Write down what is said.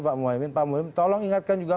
pak muhyiddin pak muhyiddin tolong ingatkan juga